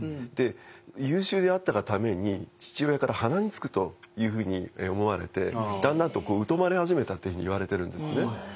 で優秀であったがために父親から鼻につくというふうに思われてだんだんと疎まれ始めたっていうふうにいわれてるんですね。